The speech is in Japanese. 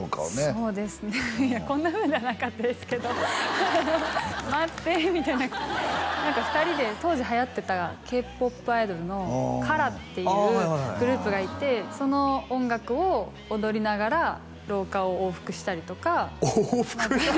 そうですねいやこんなふうじゃなかったですけどハハハハ「待って」みたいな何か２人で当時はやってたＫ−ＰＯＰアイドルのＫＡＲＡっていうグループがいてその音楽を踊りながら廊下を往復したりとか往復？